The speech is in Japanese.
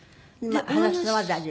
今話すのは大丈夫？